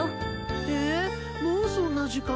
えもうそんな時間？